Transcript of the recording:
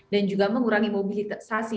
dan juga mengurangi mobilitasasi